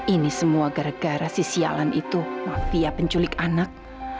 ini semua gara gara si sialan itu mafia penculik anak